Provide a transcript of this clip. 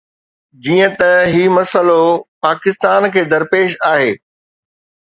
جيئن ته هي مسئلو پاڪستان کي درپيش آهي.